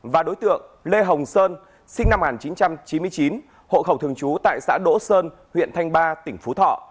và đối tượng lê hồng sơn sinh năm một nghìn chín trăm chín mươi chín hộ khẩu thường trú tại xã đỗ sơn huyện thanh ba tỉnh phú thọ